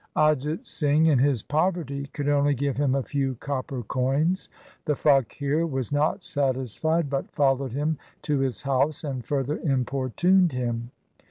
Ajit Singh in his poverty could only give him a few copper coins. The faqir was not satisfied, but fol lowed him to his house, and further importuned him.